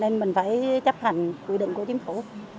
nên mình phải chấp hành quy định của chính phủ